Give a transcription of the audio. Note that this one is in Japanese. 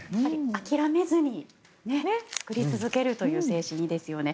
諦めずに作り続けるという精神ですよね。